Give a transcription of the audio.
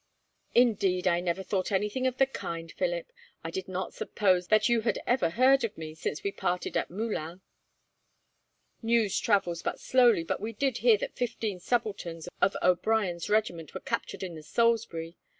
"Indeed, I never thought anything of the kind, Philip. I did not suppose that you had ever heard of me, since we parted at Moulins." "News travels but slowly, but we did hear that fifteen subalterns of O'Brien's regiment were captured in the Salisbury.